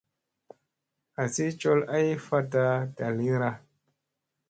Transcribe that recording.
Asi col ay faɗta dalira.